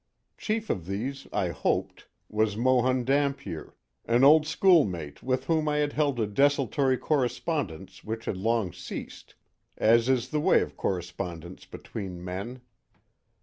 Chief of these, I hoped, was Mohun Dampier, an old schoolmate with whom I had held a desultory correspondence which had long ceased, as is the way of correspondence between men.